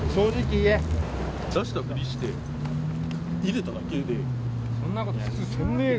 出したふりして入れただけで。